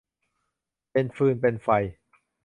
เป็นฟืนเป็นไฟ